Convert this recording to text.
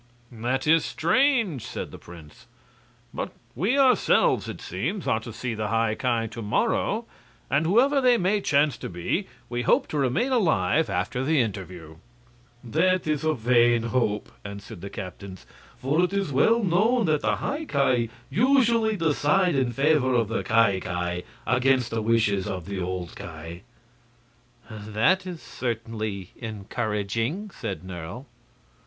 "That is strange," said the prince. "But we, ourselves, it seems, are to see the High Ki to morrow, and whoever they may chance to be, we hope to remain alive after the interview." "That is a vain hope," answered the captains, "for it is well known that the High Ki usually decide in favor of the Ki Ki, and against the wishes of the old Ki." "That is certainly encouraging," said Nerle.